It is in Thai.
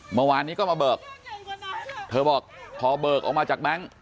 เมื่อวานนี้ก็มาเบิกเธอบอกพอเบิกออกมาจากแบงค์